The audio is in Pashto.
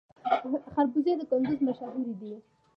خربوزې د کندز مشهورې دي